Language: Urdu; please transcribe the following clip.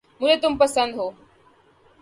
مجھے تم بہت پسند ہو